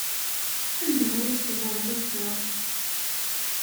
Anda ara tfeḍreḍ assa?